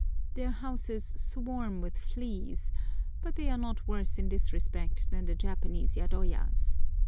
Their houses swarm with fleas, but they are not worse in this respect than the Japanese yadoyas.